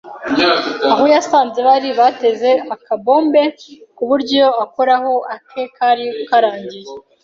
aho yasanze bari bateze akabombe, kuburyo iyo akoraho, ake kari karangiye.